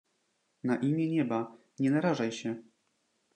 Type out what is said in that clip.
"na imię nieba, nie narażaj się!"